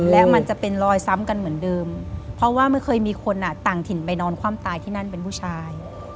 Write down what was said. และมันจะเป็นรอยซ้ำกันเหมือนเดิมเพราะว่าไม่เคยมีคนต่างถิ่นไปนอนความตายที่นั่นเป็นผู้ชาย